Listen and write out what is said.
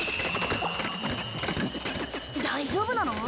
大丈夫なの？